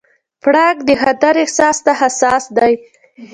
پړانګ د خطر احساس ته حساس دی.